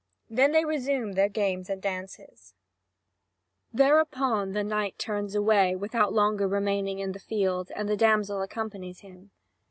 Then they resume their games and dances. (Vv. 1841 1966.) Thereupon the knight turns away, without longer remaining in the field, and the damsel accompanies him.